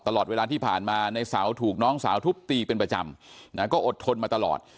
ตลอดเวลาที่ผ่านมาในเสาถูกน้องสาวทุบตีเป็นประจำนะก็อดทนมาตลอด